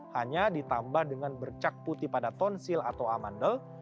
hanya ditambah dengan bercak putih pada tonsil atau amandel